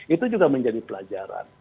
itu juga menjadi pelajaran